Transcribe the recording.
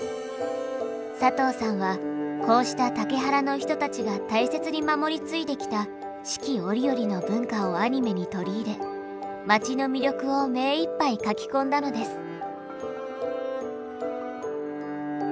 佐藤さんはこうした竹原の人たちが大切に守り継いできた四季折々の文化をアニメに取り入れ町の魅力を目いっぱい描き込んだのです。